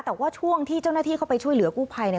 แต่ว่าช่วงที่เจ้าหน้าที่เข้าไปช่วยเหลือกู้ภัยเนี่ย